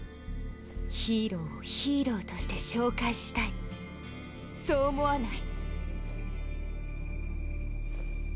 ヒーローをヒーローとして紹介したいそう思わない？